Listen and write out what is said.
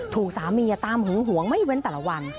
ถูกสามีตามหึงหวงไม่เว้นแต่ละวัน